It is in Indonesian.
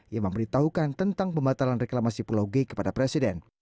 yang memberitahukan tentang pembatalan reklamasi pulau g kepada presiden